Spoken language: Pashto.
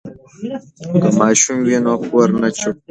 که ماشوم وي نو کور نه چوپ کیږي.